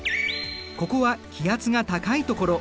ここは気圧が高いところ。